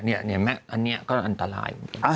นี่แม่อันนี้ก็อันตราย